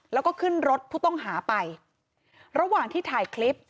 แล้วก็ขึ้นรถผู้ต้องหาไประหว่างที่ถ่ายคลิป